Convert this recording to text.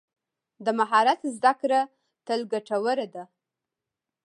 د مهارت زده کړه تل ګټوره ده.